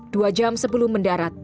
dua jam sebelum mendarat